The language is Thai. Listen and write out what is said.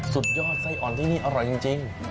สุดยอดไส้อ่อนที่นี่อร่อยจริง